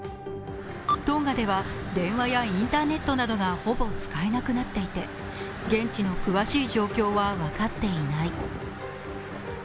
トンガでは電話やインターネットなどがほぼ使えなくなっていて現地の詳しい状況は分かっていない。